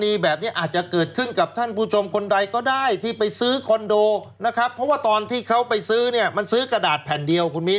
มีแบบนี้อาจจะเกิดขึ้นกับท่านผู้ชมคนใดก็ได้ที่ไปซื้อคอนโดนะครับเพราะว่าตอนที่เขาไปซื้อเนี่ยมันซื้อกระดาษแผ่นเดียวคุณมิ้น